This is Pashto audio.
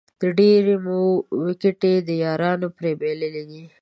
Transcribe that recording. ډېرې مو وېکټې د یارانو پرې بایللې دي